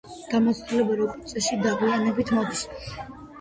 გამოცდილება როგორც წესი დაგვიანებით მოდის.